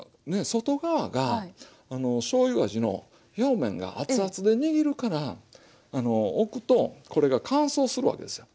外側がしょうゆ味の表面が熱々で握るから置くとこれが乾燥するわけですよ。